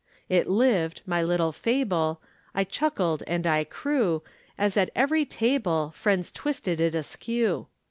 It lived, my little fable, I chuckled and I crew As at my very table Friends twisted it askew.